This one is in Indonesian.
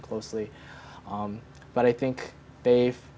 kedokteran pendidikan dengan berat